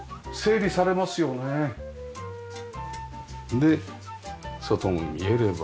で外も見えれば。